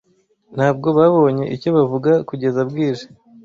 Ntabwo babonye icyo bavuga kugeza bwije.